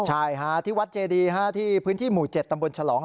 ใช่ค่ะที่วัดเจดีที่พื้นที่หมู่๗ตำบลฉลอง